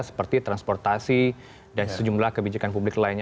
seperti transportasi dan sejumlah kebijakan publik lainnya